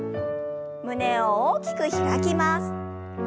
胸を大きく開きます。